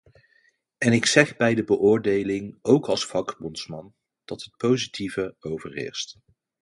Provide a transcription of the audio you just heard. En ik zeg bij de beoordeling ook als vakbondsman dat het positieve overheerst.